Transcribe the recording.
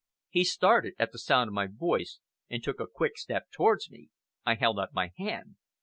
He started at the sound of my voice, and took a quick step towards me. I held out my hand.